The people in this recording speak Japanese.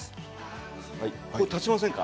立ちませんか。